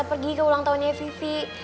dia pergi ke ulang tahunnya vivi